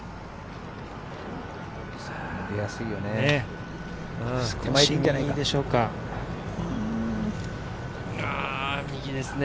出やすいよね。